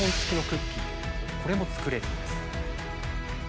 これも作れるんです。